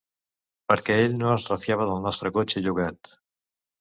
Perquè ell no es refiava del nostre cotxe llogat.